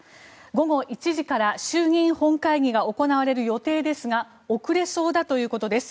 午後１時から衆議院本会議が行われる予定ですが遅れそうだということです。